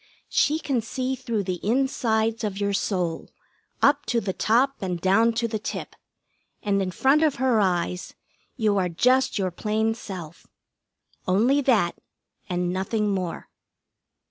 She can see through the insides of your soul, up to the top and down to the tip, and in front of her eyes you are just your plain self. Only that, and nothing more.